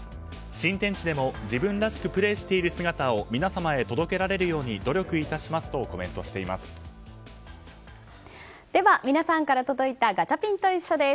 新天地でも自分らしくプレーしている姿を皆様へ届けられるように努力いたしますとコメントしています。